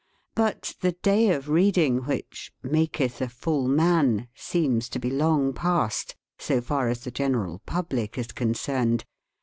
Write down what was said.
But the day of reading which "maketh a full man" seems to be long past, so far as the general public is concerned.